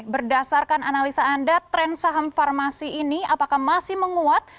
berdasarkan analisa anda tren saham farmasi ini apakah masih menguat